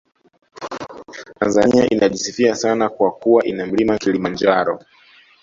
Tanzania inajisifia sana kwa kuwa ina Mlima Kilimanjaro